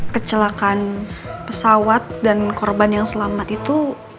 kecelakaan pesawat dan korban yang selamat itu